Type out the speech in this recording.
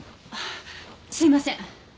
すいません。